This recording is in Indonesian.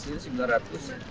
makanya kalau saya kalah